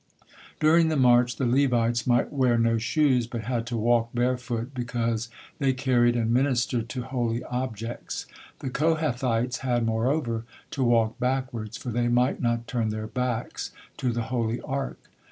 During the march the Levites might wear no shoes, but had to walk barefoot because they carried and ministered to holy objects. The Kohathites had, moreover, to walk backwards, for they might not turn their backs to the Holy Ark.